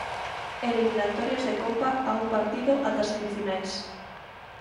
Eliminatorias de Copa a un partido ata semifinais.